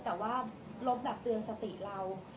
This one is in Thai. แต่ว่าลบแบบเตือนสติเรา